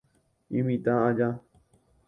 Imitã aja.